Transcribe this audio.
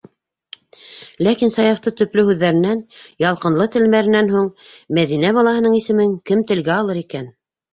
Ләкин, Саяфтың төплө һүҙҙәренән, ялҡынлы телмәренән һуң, Мәҙинә балаһының исемен кем телгә алыр икән?